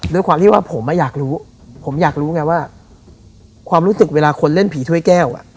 ด้วยความที่ว่าผมอยากรู้ผมอยากรู้ไงว่าความรู้สึกเวลาคนเล่นผีถ้วยแก้ว